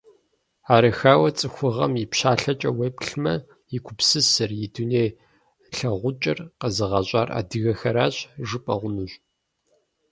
Арыххэуи, цӀыхугъэм и пщалъэкӀэ уеплъмэ, и гупсысэр, и дуней лъагъукӀэр къэзыгъэщӀар адыгэхэращ, жыпӀэ хъунущ.